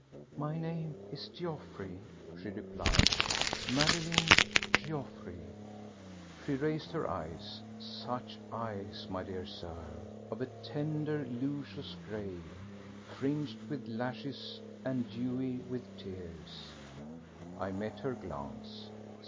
"My name is Geoffroy," she replied, "Madeleine Geoffroy." She raised her eyes—such eyes, my dear Sir!—of a tender, luscious grey, fringed with lashes and dewy with tears. I met her glance.